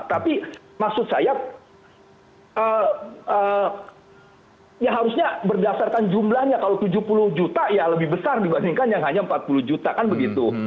tapi maksud saya ya harusnya berdasarkan jumlahnya kalau tujuh puluh juta ya lebih besar dibandingkan yang hanya empat puluh juta kan begitu